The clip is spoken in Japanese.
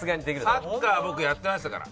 サッカーは僕やってましたから。